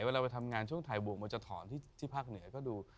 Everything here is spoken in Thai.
เวลาไปทำงานช่วงถ่ายบวกมันจะถอนที่ภาคเหนือก็ดู